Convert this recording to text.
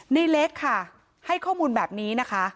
ในเล็กค่ะให้ข้อมูลแบบนี้นะคะ